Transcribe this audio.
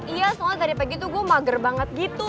iya soalnya tadi pagi tuh gue mager banget gitu